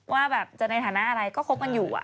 ว่าในฐานะอะไรก็คบกันอยู่